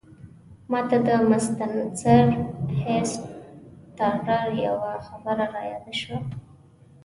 ماته د مستنصر حسین تارړ یوه خبره رایاده شوه.